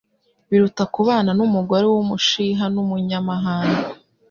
biruta kubana n’umugore w’umushiha n’umunyamahane